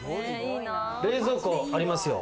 冷蔵庫ありますよ。